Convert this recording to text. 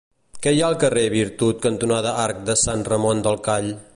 Què hi ha al carrer Virtut cantonada Arc de Sant Ramon del Call?